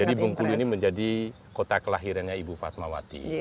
jadi bung kulu ini menjadi kota kelahirannya ibu fatmawati